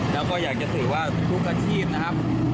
แล้วก็อยากจะสื่อว่าทุกอาชีพนะครับ